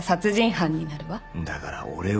だから俺は。